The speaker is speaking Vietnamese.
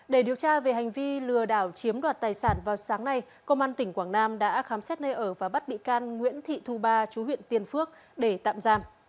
để điều tra về hành vi lừa đảo chiếm đoạt tài sản vào sáng nay công an tỉnh quảng nam đã khám xét nơi ở và bắt bị can nguyễn thị thu ba chú huyện tiên phước để tạm giam